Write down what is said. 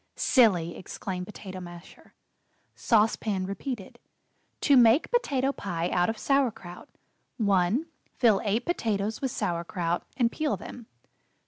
'" "Silly!" exclaimed Potato Masher. Sauce Pan repeated: "To Make Potato Pie Out of Sauer kraut: "1. Fill eight potatoes with Sauer kraut, and peel them.